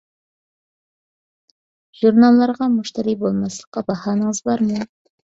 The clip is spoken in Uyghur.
ژۇرناللارغا مۇشتەرى بولماسلىققا باھانىڭىز بارمۇ؟